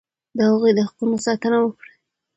د هغوی د حقوقو ساتنه وکړئ.